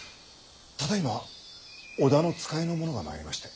ただいま織田の使いの者が参りまして。